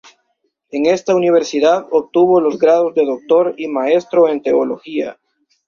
En esta Universidad obtuvo los grados de doctor y maestro en Teología.